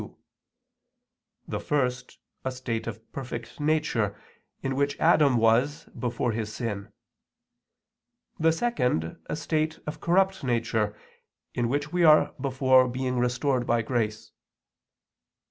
2): the first, a state of perfect nature, in which Adam was before his sin; the second, a state of corrupt nature, in which we are before being restored by grace.